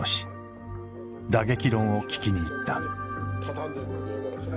打撃論を聞きに行った。